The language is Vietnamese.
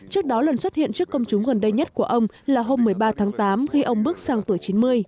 trước đó lần xuất hiện trước công chúng gần đây nhất của ông là hôm một mươi ba tháng tám khi ông bước sang tuổi chín mươi